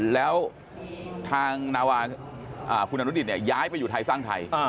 แล้วทางนาวาคนอนุริสเนี่ยย้ายไปอยู่ไทยสร้างไทย